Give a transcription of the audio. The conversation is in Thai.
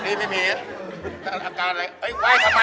เฮ่ยไหว่ทำไมทีว่าไหว่ทำไม